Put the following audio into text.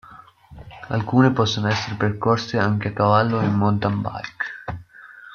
Alcune possono essere percorse anche a cavallo o in mountain bike.